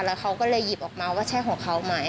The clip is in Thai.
แล้วเขาก็เลยหยิบออกมาว่าใช่ของเขาไหม